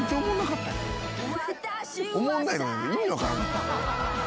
おもんないのに意味分からん。